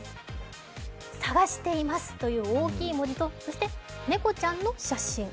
「探しています」という大きい文字と猫ちゃんの写真。